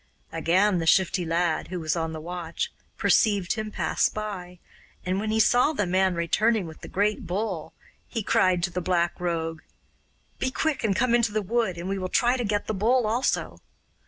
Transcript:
Again the Shifty Lad, who was on the watch, perceived him pass by, and when he saw the man returning with the great bull he cried to the Black Rogue: 'Be quick and come into the wood, and we will try to get the bull also.